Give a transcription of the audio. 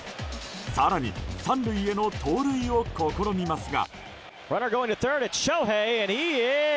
更に、３塁への盗塁を試みますが。